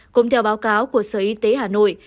cũng theo báo cáo của sở y tế hà nội